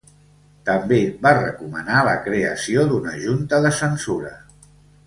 També va recomanar la creació d"una junta de censura.